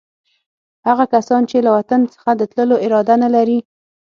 هغه کسان چې له وطن څخه د تللو اراده نه لري.